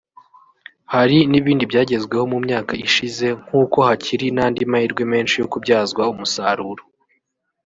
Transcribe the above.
hari n’ibindi byagezweho mu myaka ishize nk’uko hakiri n’andi mahirwe menshi yo kubyazwa umusaruro